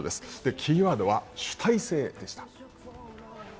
キーワードは主体性でした。